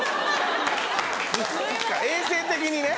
衛生的にね。